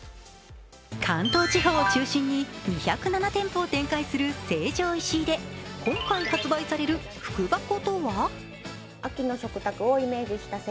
関東地方を中心に２０７店舗を展開する成城石井で今回発売される福箱とは？